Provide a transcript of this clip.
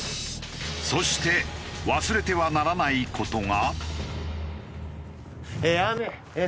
そして忘れてはならない事が。